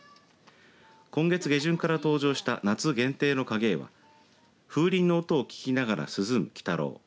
今月下旬から登場した夏限定の影絵は風鈴の音を聞きながら涼む鬼太郎。